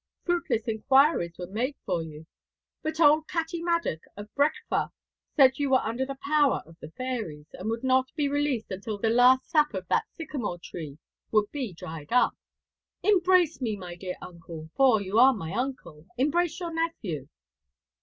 Fruitless inquiries were made for you; but old Catti Maddock of Brechfa said you were under the power of the fairies, and would not be released until the last sap of that sycamore tree would be dried up. Embrace me, my dear uncle, for you are my uncle embrace your nephew.'